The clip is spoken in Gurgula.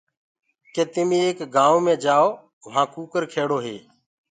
ڪي تمي ڪي ايڪ گآئوُنٚ مي جآئو وهآنٚ ڪٚڪر کيڙو هي۔